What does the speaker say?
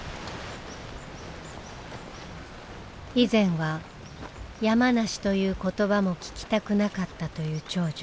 以前は「山梨」という言葉も聞きたくなかったという長女。